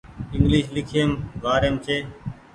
انگليش ليکيم وآريم ڇي